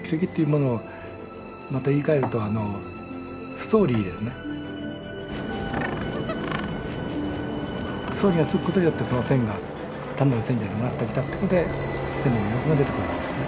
ストーリーがつくことによってその線が単なる線じゃなくなってきたってことで線に魅力が出てくるわけですね。